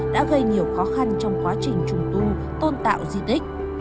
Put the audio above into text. đã gây nhiều khó khăn trong quá trình trùng tu tôn tạo di tích